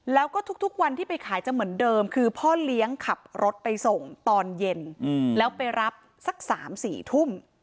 เลี้ยงขับรถไปส่งตอนเย็นอืมแล้วไปรับสักสามสี่ทุ่ม